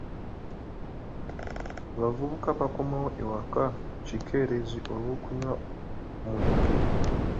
Abavubuka bakomawo ewaka kikeerezi olw'okunywa mwenge.